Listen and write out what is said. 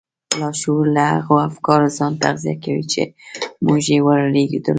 لاشعور له هغو افکارو ځان تغذيه کوي چې موږ يې ور لېږدوو.